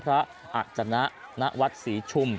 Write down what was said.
พระอักษณะณวัดศรีชุม